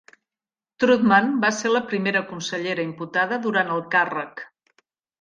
Troutman va ser la primera consellera imputada durant el càrrec.